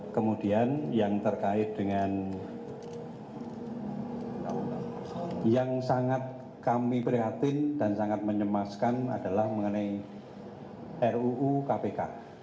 kemudian yang terkait dengan yang sangat kami prihatin dan sangat menyemaskan adalah mengenai ruu kpk